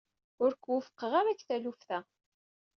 Ur k-wufqeɣ ara deg taluft-a.